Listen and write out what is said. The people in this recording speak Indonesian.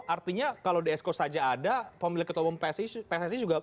artinya kalau di exco saja ada pemilik ketua umum pssi juga